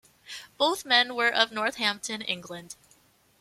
Both men were of Northampton, England.